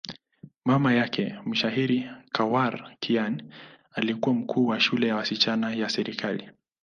Mama yake, mshairi Khawar Kiani, alikuwa mkuu wa shule ya wasichana ya serikali.